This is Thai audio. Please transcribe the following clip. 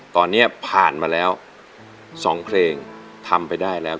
ตอนนี้ผ่านมาแล้ว๒เพลงทำไปได้แล้ว